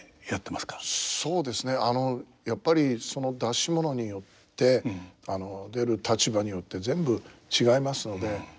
そうですねやっぱりその出し物によって出る立場によって全部違いますので。